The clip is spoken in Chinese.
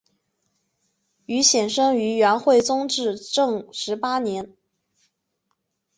丁显生于元惠宗至正十八年。